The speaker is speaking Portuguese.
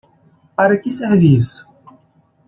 Para que serve isso?